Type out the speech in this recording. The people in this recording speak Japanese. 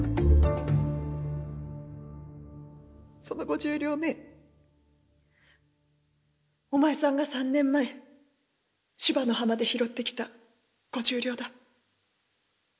「その５０両ねお前さんが３年前芝の浜で拾ってきた５０両だ」。